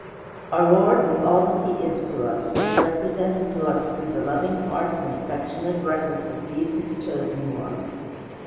Our Lord, with all that he is to us, is represented to us through the loving hearts and affectionate records of these his chosen ones.